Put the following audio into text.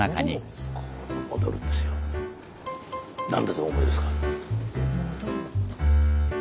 何だとお思いですか？